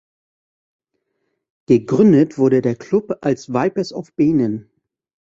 Gegründet wurde der Klub als "Vipers of Benin".